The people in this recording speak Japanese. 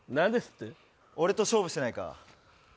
俺と勝負しないか？